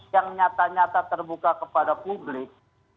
yang nyata nyata terbuka kepada publik